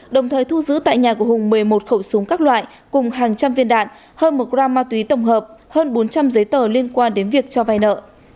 đồng thời thu giữ tại nhà của hùng một mươi một khẩu súng các loại cùng hàng trăm viên đạn hơn một gram ma túy tổng hợp hơn bốn trăm linh giấy tờ liên quan đến việc cho vai nợ